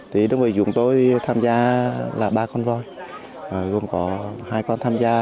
thì đơn vị dùng tôi tham gia là ba con voi gồm có hai con tham gia